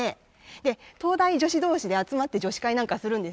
で灯台女子同士で集まって女子会なんかするんですけど。